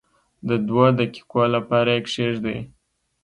د دوو دقیقو لپاره یې کښېږدئ.